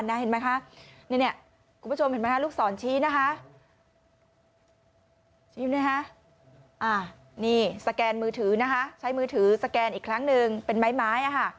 นี่สแกนมือถือนะคะใช้มือถือสแกนอีกครั้งนึงเป็นไม้ไม้ค่ะ